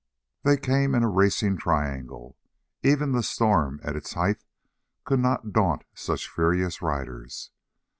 They came in a racing triangle. Even the storm at its height could not daunt such furious riders.